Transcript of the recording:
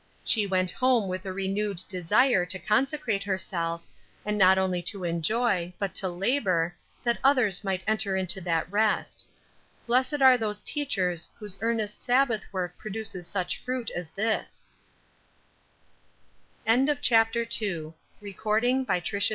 She went home with a renewed desire to consecrate herself, and not only to enjoy, but to labor, that others might enter into that rest. Blessed are those teachers whose earnest Sabbath work produces such fruit as this! CHAPTER III. BURDENS.